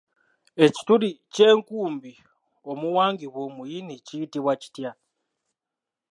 Ekituli ky'enkumbi omuwangibwa omuyini kiyitibwa kitya?